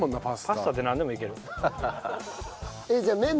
パスタでなんでもいける。